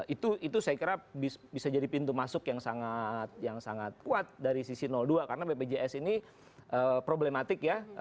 itu saya kira bisa jadi pintu masuk yang sangat kuat dari sisi dua karena bpjs ini problematik ya